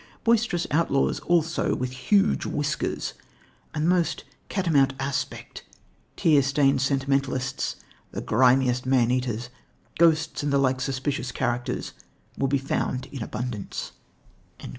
Boisterous outlaws also, with huge whiskers, and the most cat o' mountain aspect; tear stained sentimentalists, the grimmest man eaters, ghosts and the like suspicious characters will be found in abundance."